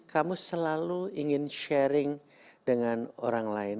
kamu selalu ingin sharing dengan orang lain